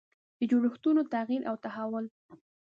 د جوړښتونو تغییر او تحول.